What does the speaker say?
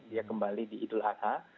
dia kembali di idul adha